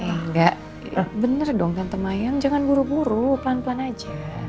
eh enggak bener dong tante mayang jangan buru buru pelan pelan aja